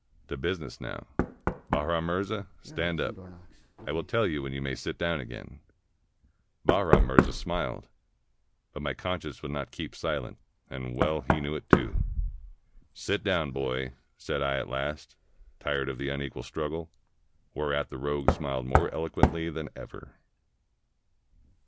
To business now. ... Bahram Mirza, stand up. I will teU you when you may sit down again." Bahram Mirza smiled. But my conscience would not keep silent, and well he knew it too! "Sit down, boy," said I at last, tired of the unequal struggle; whereat the rogue smiled more eloquently than ever.